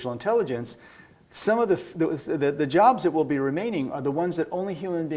dalam kesehatan jadi mereka adalah sumber